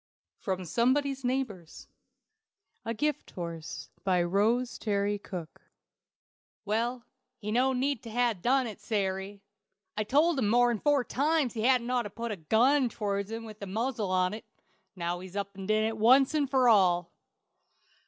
From Somebody's Neighbors. A GIFT HORSE. BY ROSE TERRY COOKE. "Well, he no need to ha' done it, Sary. I've told him more'n four times he hadn't ought to pull a gun tow'rds him by the muzzle on't. Now he's up an' did it once for all."